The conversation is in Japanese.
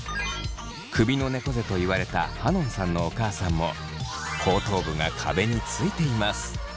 首のねこ背と言われたはのんさんのお母さんも後頭部が壁についています。